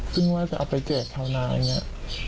ซึ่งว่าจะเอาไปแจกชาวนาอย่างนี้